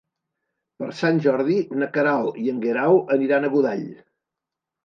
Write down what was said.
Per Sant Jordi na Queralt i en Guerau aniran a Godall.